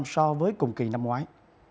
so với cùng kỳ năm ngoái